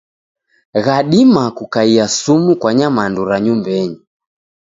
Ghadima kukaia sumu kwa nyamandu ra nyumbenyi.